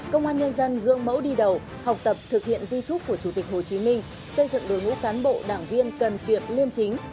công an nhân dân gương mẫu đi đầu học tập thực hiện di trúc của chủ tịch hồ chí minh xây dựng đối ngũ cán bộ đảng viên cần kiệp liêm chính